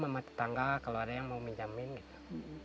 mematuhi tangga kalau ada yang mau minjamin gitu